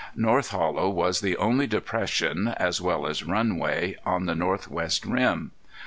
North Hollow was the only depression, as well as runway, on the northwest rim.